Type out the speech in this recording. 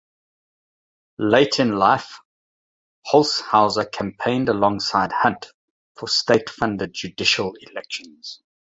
Late in life, Holshouser campaigned alongside Hunt for state-funded judicial elections.